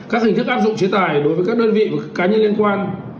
các hình thức áp dụng chế tài đối với các đơn vị và các cá nhân liên quan